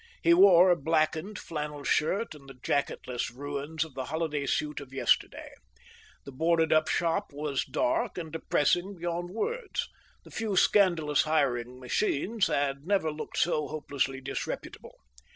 He wore a blackened flannel shirt, and the jacketless ruins of the holiday suit of yesterday. The boarded up shop was dark and depressing beyond words, the few scandalous hiring machines had never looked so hopelessly disreputable.